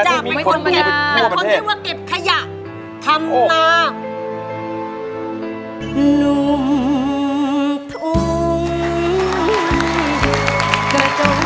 ที่มีคนมาทั่วประเทศมีคนที่ว่าเก็บขยะทำลา